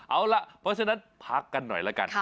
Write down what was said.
เอาล่ะเพราะฉะนั้นพักกันหน่อยละกัน